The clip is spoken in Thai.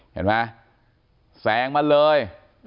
เห็นมั้ยแสงมาเลย